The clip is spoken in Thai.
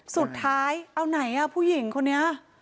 สุดท้ายเอาไหนผู้หญิงคนนี้